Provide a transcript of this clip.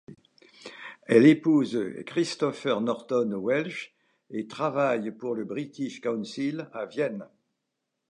Elle épouse Christopher Norton Welsh et travaille pour le British Council à Vienne.